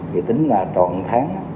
thì tính là trọn tháng